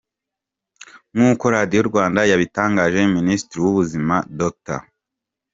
Nk’uko Radio Rwanda yabitangaje, Minisitiri w’Ubuzima, Dr.